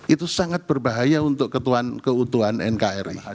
itu sangat berbahaya untuk keutuhan nkri